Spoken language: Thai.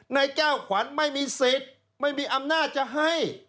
นายแก้วขวัญไม่มีสิทธิ์ไม่มีอำนาจจะให้